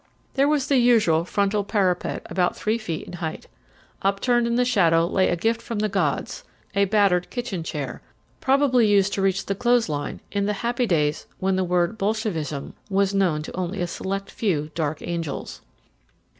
There was the usual frontal parapet about three feet in height. Upturned in the shadow lay a gift from the gods a battered kitchen chair, probably used to reach the clothesline in the happy days when the word "Bolshevism" was known to only a select few dark angels.